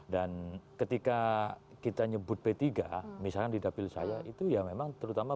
dan ketika kita nyebut p tiga misalnya di dapil saya itu ya memang terutama